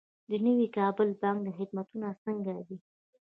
د نوي کابل بانک خدمتونه څنګه دي؟